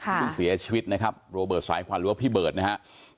ผู้เสียชีวิตนะครับโรเบิร์ตสายควันหรือว่าพี่เบิร์ตนะครับ